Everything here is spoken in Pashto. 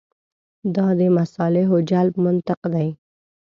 دا د مصالحو جلب منطق دی.